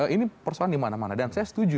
ini persoalan dimana mana dan saya setuju